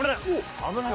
危ないよ！